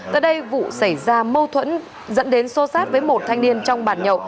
tại đây vụ xảy ra mâu thuẫn dẫn đến xô xát với một thanh niên trong bàn nhậu